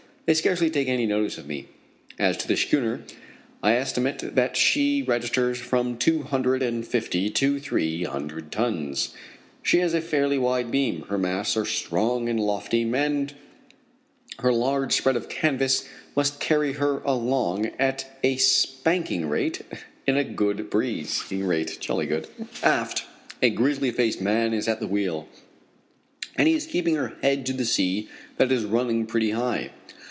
They scarcely take any notice of me. As to the schooner, I estimate that she registers from two hundred and fifty to three hundred tons. She has a fairly wide beam, her masts are strong and lofty, and her large spread of canvas must carry her along at a spanking rate in a good breeze. Aft, a grizzly faced man is at the wheel, and he is keeping her head to the sea that is running pretty high.